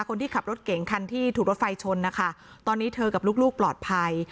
คนที่ขับรถเก่งคันที่ถูกรถไฟชนนะคะตอนนี้เธอกับลูกลูกปลอดภัย